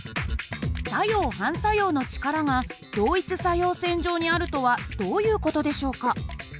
作用・反作用の力が同一作用線上にあるとはどういう事でしょうか？